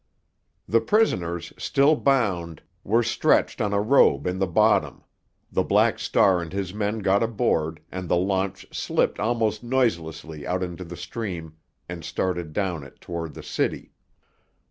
The prisoners, still bound, were stretched on a robe in the bottom, the Black Star and his men got aboard, and the launch slipped almost noiselessly out into the stream and started down it toward the city.